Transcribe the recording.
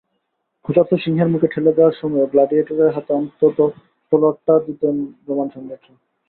ক্ষুধার্ত সিংহের মুখে ঠেলে দেওয়ার সময়ও গ্ল্যাডিয়েটরের হাতে অন্তত তলোয়ারটা দিতেন রোমান সম্রাটরা।